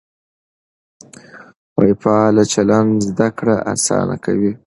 فعال چلند زده کړه اسانه کوي.